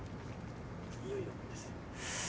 いよいよですね。